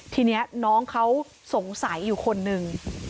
ทีนี้น้องเขาสงสัยอยู่คนนึง